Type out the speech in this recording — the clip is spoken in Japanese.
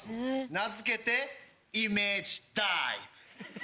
名付けてイメージダイブ。